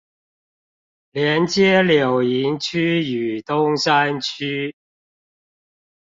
連接柳營區與東山區